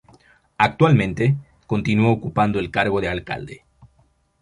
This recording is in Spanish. Actualmente, continúa ocupando el cargo de alcalde.